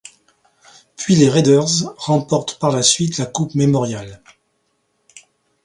Puis les Raiders remportent par la suite la Coupe Memorial.